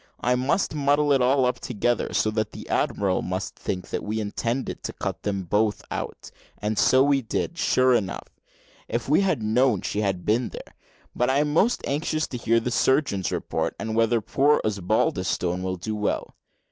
I must muddle it all up together, so that the admiral must think we intended to cut them both out and so we did, sure enough, if we had known she had been there. But I am most anxious to hear the surgeon's report, and whether poor Osbaldistone will do well.